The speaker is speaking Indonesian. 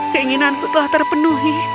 keinginanku telah terpenuhi